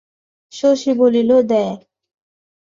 শশী বলিল, দে।